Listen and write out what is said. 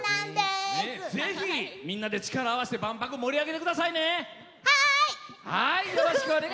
ぜひ、みんなで力合わせて万博、盛り上げてください。